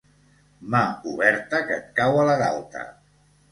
Mà oberta que et cau a la galta.